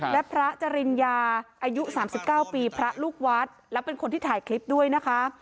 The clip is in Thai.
และพระจริญญาอายุ๓๙ปีพระลูกวัดและเป็นคนที่ถ่ายคลิปด้วยนะคะ